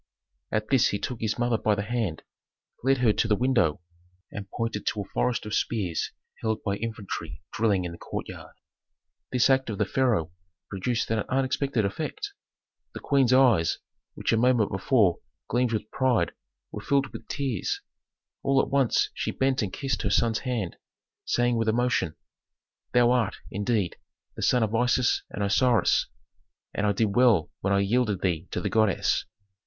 At this he took his mother by the hand, led her to the window, and pointed to a forest of spears held by infantry drilling in the courtyard. This act of the pharaoh produced an unexpected effect. The queen's eyes, which a moment before gleamed with pride, were filled with tears. All at once she bent and kissed her son's hand, saying with emotion, "Thou art, indeed, the son of Isis and Osiris, and I did well when I yielded thee to the goddess.